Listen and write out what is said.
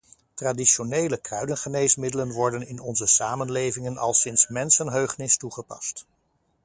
Traditionele kruidengeneesmiddelen worden in onze samenlevingen al sinds mensenheugenis toegepast.